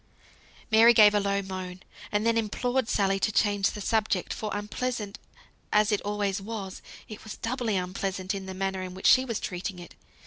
Mary gave a low moan, and then implored Sally to change the subject; for unpleasant as it always was, it was doubly unpleasant in the manner in which she was treating it.